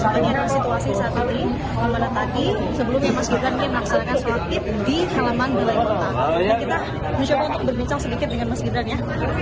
kita mencoba untuk berbincang sedikit dengan mas gibran ya